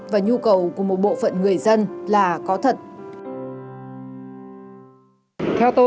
và nhu cầu của một bộ phận người dân là có thật